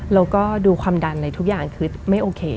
แล้วก็ดูความดันอะไรทุกอย่างคือไม่โอเค